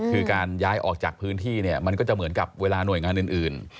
คือการย้ายออกจากพื้นที่เนี่ยมันก็จะเหมือนกับเวลาหน่วยงานอื่น